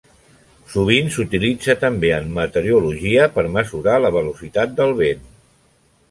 Sovint s'utilitza també en meteorologia per mesurar la velocitat del vent.